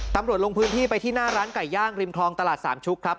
ลงพื้นที่ไปที่หน้าร้านไก่ย่างริมคลองตลาดสามชุกครับ